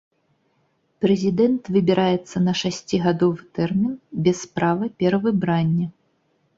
Прэзідэнт выбіраецца на шасцігадовы тэрмін без права перавыбрання.